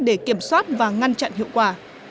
để kiểm soát và ngăn chặn hiệu quả